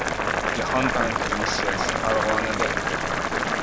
Jahon banki missiyasi Farg‘onada